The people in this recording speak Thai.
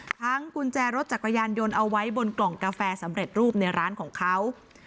กุญแจรถจักรยานยนต์เอาไว้บนกล่องกาแฟสำเร็จรูปในร้านของเขา